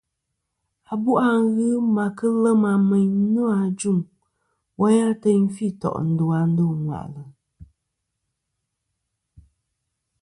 Abu' a ghɨ ma kɨ lema meyn nô ajuŋ, woyn a ateyn fi tò' ndu nô ŋwà'lɨ.